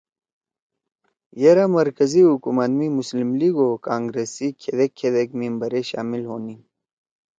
یرأ مرکزی حکومت می مسلم لیگ او کانگرس سی کھیدیک کھیدیک ممبرے شامل ہونیِن۔